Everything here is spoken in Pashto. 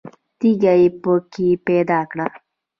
تیږه یې په کې پیدا کړه.